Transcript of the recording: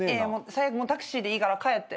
最悪タクシーでいいから帰って。